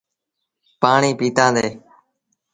پآڻيٚ پيٚتآندي